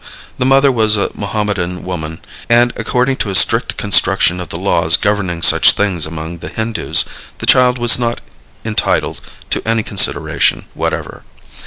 The mother was a Mohammedan woman, and, according to a strict construction of the laws governing such things among the Hindus, the child was not entitled to any consideration whatever.